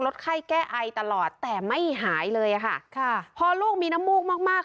ไข้แก้ไอตลอดแต่ไม่หายเลยอ่ะค่ะพอลูกมีน้ำมูกมากมาก